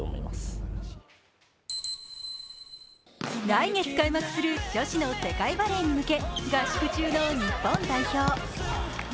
来月開幕する女子の世界バレーに向け合宿中の日本代表。